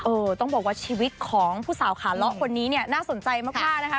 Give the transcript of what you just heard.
ต้องบอกว่าชีวิตของผู้สาวขาเลาะคนนี้เนี่ยน่าสนใจมากนะคะ